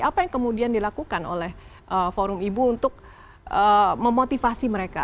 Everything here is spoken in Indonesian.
apa yang kemudian dilakukan oleh forum ibu untuk memotivasi mereka